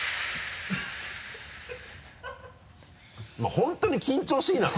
本当に緊張しいなのか？